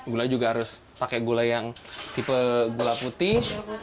gula juga harus pakai gula yang tipe gula putih